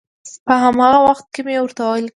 په هماغه وخت کې مې ورته ولیکل.